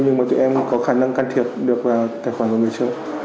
nhưng mà tụi em có khả năng can thiệp được tài khoản của người chơi